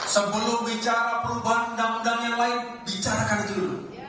sebelum bicara perubahan undang undang yang lain bicarakan dulu